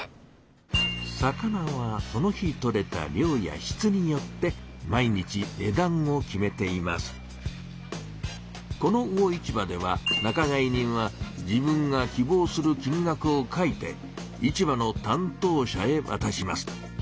魚はその日とれた量やしつによってこの魚市場では仲買人は自分が希望する金額を書いて市場のたん当者へわたします。